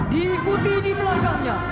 diikuti di belakangnya